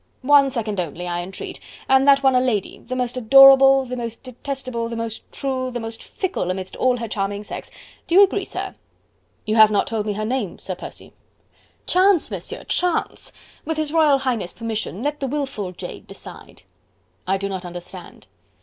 One second only, I entreat, and that one a lady the most adorable the most detestable the most true the most fickle amidst all her charming sex.... Do you agree, sir?" "You have not told me her name, Sir Percy?" "Chance, Monsieur, Chance.... With His Royal Highness' permission let the wilful jade decide." "I do not understand."